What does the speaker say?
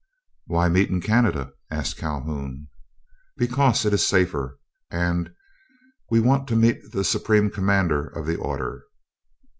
"Why meet in Canada?" asked Calhoun. "Because it is safer, and—and we want to meet the Supreme Commander of the order."